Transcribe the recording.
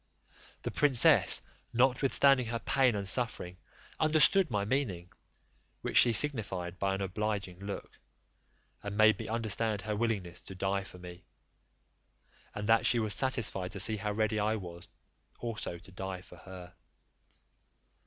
The princess, notwithstanding her pain and suffering, understood my meaning; which she signified by an obliging look, and made me understand her willingness to die for me; and that she was satisfied to see how ready I was also to die for her.